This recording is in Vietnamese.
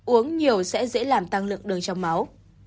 uống nhiều sẽ dễ làm tăng lượng đường trong máu